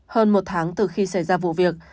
hơn một tháng từ khi xảy ra vụ việc